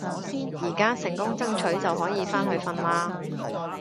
而家成功爭取就可以返去瞓啦